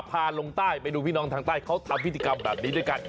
พาลงใต้ไปดูพี่น้องทางใต้เขาทำพิธีกรรมแบบนี้ด้วยกัน